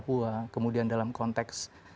papua kemudian dalam konteks